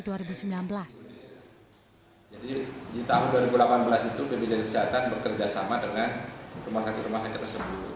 jadi di tahun dua ribu delapan belas itu bpjs kesehatan bekerjasama dengan rumah sakit rumah sakit tersebut